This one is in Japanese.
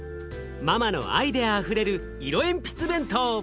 ママのアイデアあふれる色鉛筆弁当。